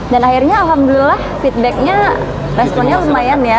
dan akhirnya alhamdulillah feedbacknya responnya lumayan ya